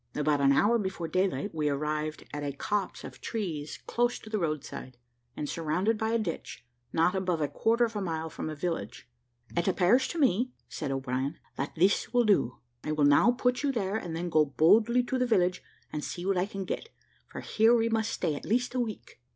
About an hour before daylight we arrived at a copse of trees close to the road side, and surrounded by a ditch, not above a quarter of a mile from a village "It appears to me," said O'Brien, "that this will do; I will now put you there, and then go boldly to the village and see what I can get, for here we must stay at least a week."